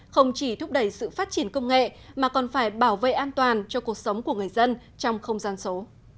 không chỉ thúc đẩy sự phát triển công nghệ mà còn phải bảo vệ an toàn cho cuộc sống của người dân trong không gian số